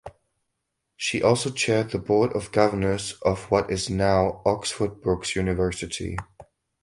She also chaired the board of governors of what is now Oxford Brookes University.